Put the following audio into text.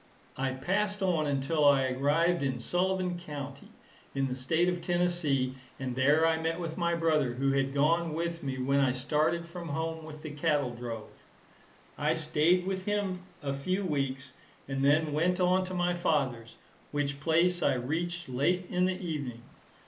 I passed on until I arrived in Sullivan county, in the state of Tennessee, and there I met with my brother, who had gone with me when I started from home with the cattle drove. I staid with him a few weeks, and then went on to my father's, which place I reached late in the evening.